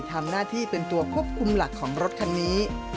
ทำหน้าที่เป็นตัวควบคุมหลักของรถคันนี้